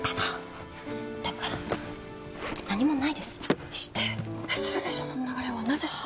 だから何もないですしてするでしょその流れはなぜしない？